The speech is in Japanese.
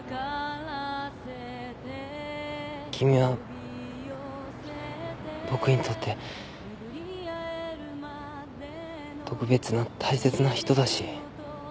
君は僕にとって特別な大切な人だし。